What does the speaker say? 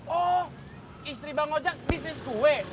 oh istri bang ojek bisnis kue